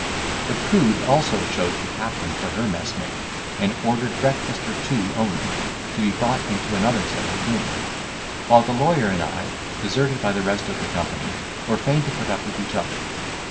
The prude also chose the captain for her messmate, and ordered breakfast for two only, to be brought into another separate room: while the lawyer and I, deserted by the rest of the company, were fain to put up with each other.